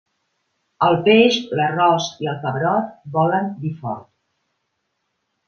El peix, l'arròs i el pebrot volen vi fort.